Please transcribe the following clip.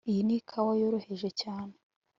Iyi ni ikawa yoroheje cyane